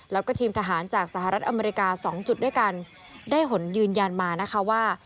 แล้วก็ทีมทหารจากสหรัฐอเมริกาสองจุดด้วยกันได้ผลยืนยันมานะคะว่า